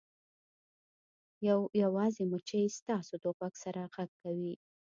یو یوازې مچۍ ستاسو د غوږ سره غږ کوي